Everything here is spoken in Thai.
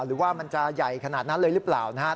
หรือว่ามันจะใหญ่ขนาดนั้นเลยหรือเปล่านะฮะ